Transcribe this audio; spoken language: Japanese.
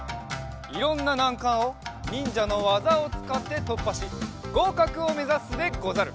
いろんななんかんをにんじゃのわざをつかってとっぱしごうかくをめざすでござる！